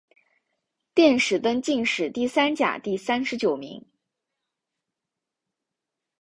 殿试登进士第三甲第三十九名。